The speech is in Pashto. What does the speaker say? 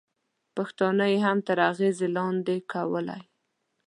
پښتانه یې هم تر اغېزې لاندې کولای.